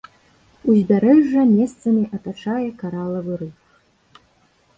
Узбярэжжа месцамі атачае каралавы рыф.